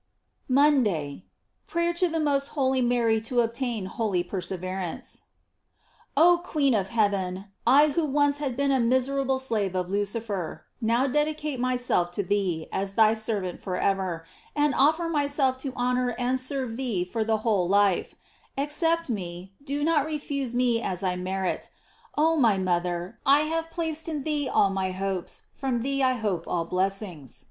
MONDAY. Prayer to fit? most holy Mary to obtain holy perseverance OH queen of heaven, I who once have been a miserable slave of Lucifer, now dedicate myself to thee, as thy servant forever, and offer my self to honor and serve thee for the whole life; accept me, do not refuse me as I merit. Oh my mother, I have placed in thee all my hopes, from thee I hope all blessings.